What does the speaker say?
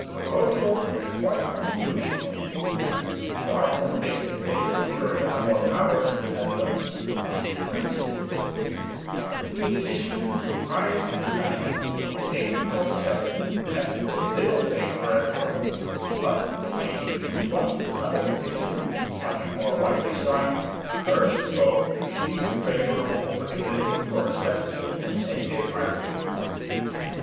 The proposal was quite constitutional and, far from giving the papal curia more power in the Netherlands, it decreased it. A petition to Pius IX in 1847 met with little favour at Rome; but in 1851 another petition, much more widely signed, urged the Pope to seize the favourable opportunity for establishing a native hierarchy.